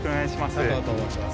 佐藤と申します。